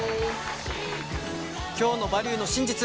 今日の「バリューの真実」